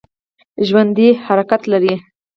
ژوندي حرکت لري